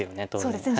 そうですね。